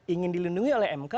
ingin dilindungi oleh mk